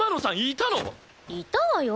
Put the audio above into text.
いたわよ。